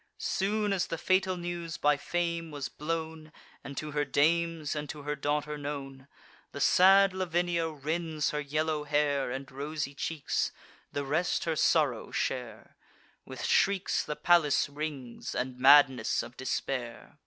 Soon as the fatal news by Fame was blown, And to her dames and to her daughter known, The sad Lavinia rends her yellow hair And rosy cheeks; the rest her sorrow share: With shrieks the palace rings, and madness of despair.